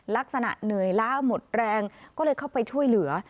ลักษณะเหนื่อยล้าหมดแรงก็เลยเข้าไปช่วยเหลือ